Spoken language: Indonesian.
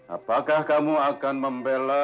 apakah kamu akan membela